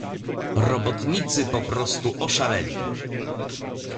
"Robotnicy poprostu oszaleli."